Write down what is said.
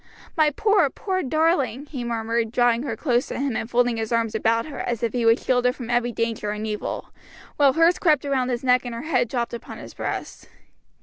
"My poor, poor darling!" he murmured, drawing her close to him and folding his arms about her as if he would shield her from every danger and evil, while hers crept around his neck and her head dropped upon his breast.